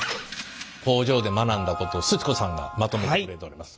工場で学んだことをすち子さんがまとめてくれております。